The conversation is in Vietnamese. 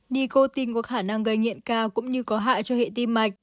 dicotin có khả năng gây nghiện cao cũng như có hại cho hệ tim mạch